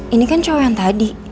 ini kan cowok yang tadi